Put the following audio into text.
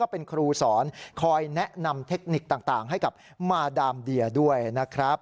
เป็นครูสอนคอยแนะนำเทคนิคต่างให้กับมาดามเดียด้วยนะครับ